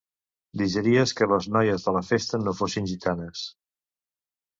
Digeries que les noies de la festa no fossin gitanes.